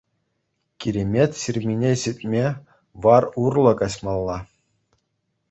Киремет ҫырмине ҫитме вар урлӑ каҫмалла.